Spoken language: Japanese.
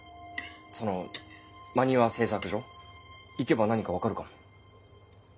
その間庭製作所行けば何か分かるかも。